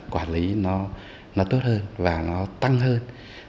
quản lý nó tốt hơn và nó tăng hơn